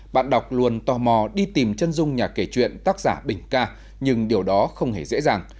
bạn đọc luôn tò mò đi tìm chân dung nhà kể chuyện tác giả bình ca nhưng điều đó không hề dễ dàng